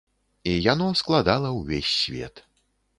І яно складала ўвесь свет.